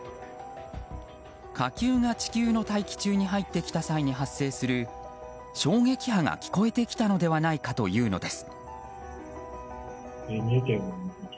火球が地球の大気中に入ってきた際に発生する衝撃波が聞こえてきたのではないかというのです。